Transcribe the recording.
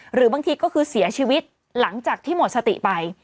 หรือบางทีก็คือเสียชีวิตหลังจากที่หมดสติไป